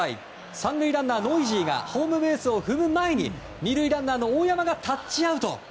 ３塁ランナー、ノイジーがホームベースを踏む前に２塁ランナーの大山がタッチアウト。